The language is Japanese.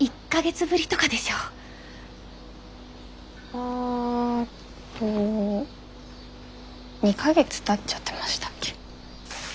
えっと２か月たっちゃってましたっけ？かな。